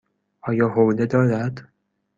آیا حوله دارد؟